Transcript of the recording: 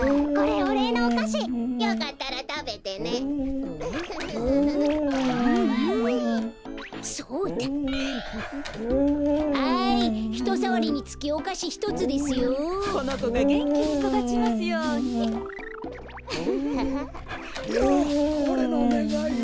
おれのねがいは。